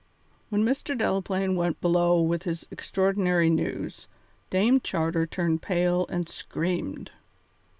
When Mr. Delaplaine went below with his extraordinary news, Dame Charter turned pale and screamed.